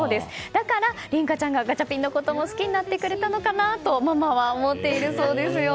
だから、琳香ちゃんがガチャピンのことも好きになってくれたのかなとママは思っているそうですよ。